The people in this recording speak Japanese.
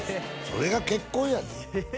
それが結婚やで？